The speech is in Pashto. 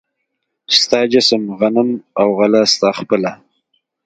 ستا جسم، غنم او غله ستا خپله